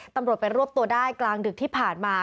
ตำรวจไปรวบตัวได้กลางดึกที่ผ่านมา